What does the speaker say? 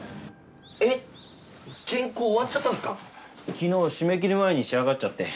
昨日締め切り前に仕上がっちゃって。